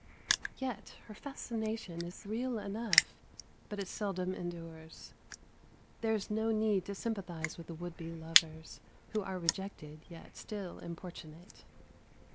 Yet her fascination is real enough, but it seldom endures. There is no need to sympathise with the would be lovers, who are rejected yet still importunate.